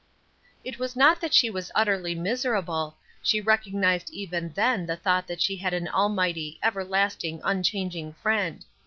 It was not that she was utterly miserable; she recognized even then the thought that she had an almighty, everlasting, unchanging Friend.